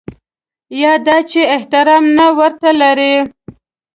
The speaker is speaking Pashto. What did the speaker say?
یا دا چې احترام نه ورته لري.